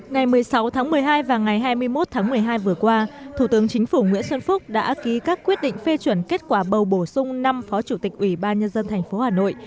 ngày một mươi sáu tháng một mươi hai và ngày hai mươi một tháng một mươi hai vừa qua thủ tướng chính phủ nguyễn xuân phúc đã ký các quyết định phê chuẩn kết quả bầu bổ sung năm phó chủ tịch ủy ban nhân dân tp hà nội